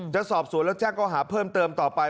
จะสอบสวนแล้วแจ้งเขาหาเพิ่มเติมต่อไป